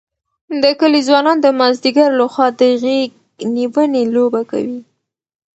د کلي ځوانان د مازدیګر لخوا د غېږ نیونې لوبه کوي.